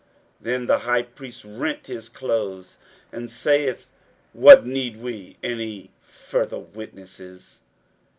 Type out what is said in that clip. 41:014:063 Then the high priest rent his clothes, and saith, What need we any further witnesses?